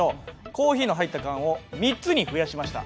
コーヒーの入った缶を３つに増やしました。